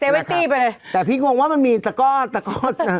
๗๐ไปเลยแต่พี่งงว่ามันมีแต่ก็แต่ก็